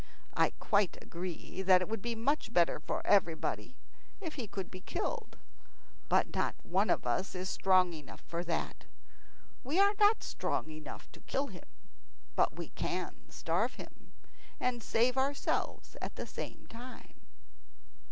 I quite agree that it would be much better for everybody if he could be killed; but not one of us is strong enough for that. We are not strong enough to kill him; but we can starve him, and save ourselves at the same time.